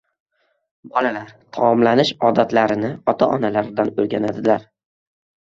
Bolalar taomlanish odatlarini ota-onalaridan o‘rganadilar